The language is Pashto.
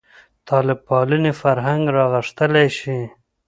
طالب پالنې فرهنګ لا غښتلی شي.